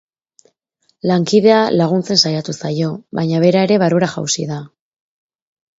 Lankidea laguntzen saiatu zaio, baina bera ere barrura jausi da.